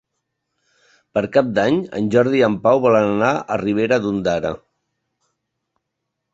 Per Cap d'Any en Jordi i en Pau volen anar a Ribera d'Ondara.